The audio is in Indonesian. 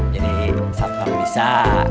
jadi satpam bisa